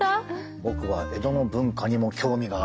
僕は江戸の文化にも興味があります！